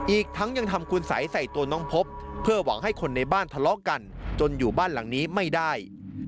อีกทั้งยังทำคุณสัยใส่ตัวน้องพบเพื่อหวังให้คนในบ้านทะเลาะกันจนอยู่บ้านหลังนี้ไม่ได้